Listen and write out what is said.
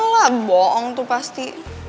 lah bohong tuh pasti